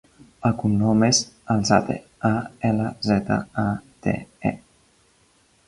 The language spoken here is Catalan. El cognom és Alzate: a, ela, zeta, a, te, e.